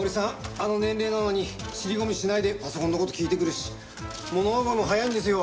あの年齢なのに尻込みしないでパソコンの事聞いてくるし物覚えも早いんですよ。